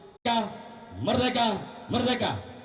merdeka merdeka merdeka